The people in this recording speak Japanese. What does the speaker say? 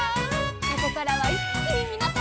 「ここからはいっきにみなさまを」